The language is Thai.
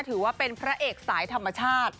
ถือว่าเป็นพระเอกสายธรรมชาติ